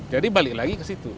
jadi balik lagi ke situ